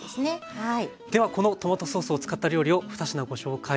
はい。